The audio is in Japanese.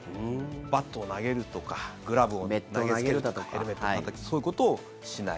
バットを投げるとかグラブを投げつけるとかヘルメットをたたきつけるそういうことをしない。